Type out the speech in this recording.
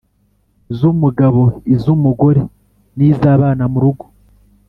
z’umugabo, iz’umugore n’iz’abana murugo.